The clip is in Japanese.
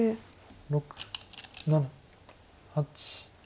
６７８。